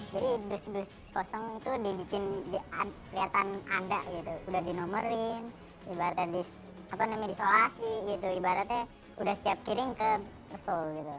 jadi dus dus kosong itu dibikin kelihatan ada gitu udah dinomerin ibaratnya disolasi gitu ibaratnya udah siap kirim ke pesul gitu